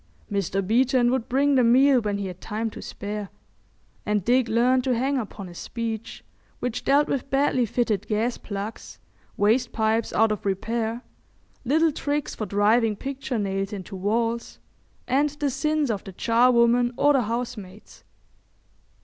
Mr. Beeton would bring the meal when he had time to spare, and Dick learned to hang upon his speech, which dealt with badly fitted gas plugs, waste pipes out of repair, little tricks for driving picture nails into walls, and the sins of the charwoman or the housemaids.